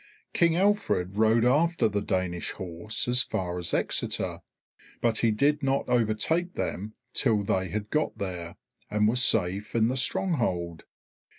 King Alfred rode after the Danish horse as far as Exeter, but he did not overtake them till they had got there, and were safe in the stronghold.